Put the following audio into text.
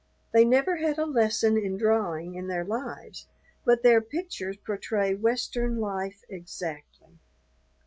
They never had a lesson in drawing in their lives, but their pictures portray Western life exactly.